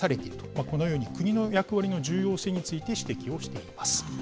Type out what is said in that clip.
このように国の役割の重要性について指摘をしています。